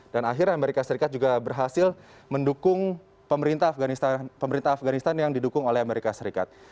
dan akhirnya amerika serikat juga berhasil mendukung pemerintah afghanistan yang didukung oleh amerika serikat